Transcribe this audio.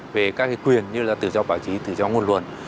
về các quyền như là tự do báo chí tự do ngôn luận